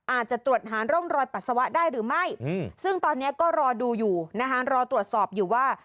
อาจจะตรวจหาร่องรอยปัสสาวะได้หรือไม่ซึ่งตอนนี้ก็รอดูอยู่นะคะรอตรวจสอบอยู่ว่า